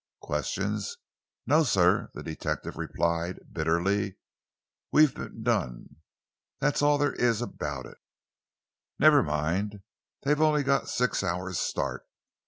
"Questions? No, sir!" the detective replied bitterly. "We've been done that's all there is about it. Never mind, they've only got six hours' start.